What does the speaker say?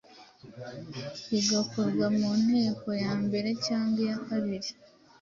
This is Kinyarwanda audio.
rigakorwa mu nteko ya mbere cyangwa iya kabiri